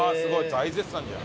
大絶賛じゃん。